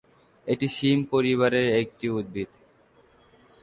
এটি শিম পরিবারের একটি উদ্ভিদ।